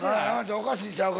おかしいんちゃうか？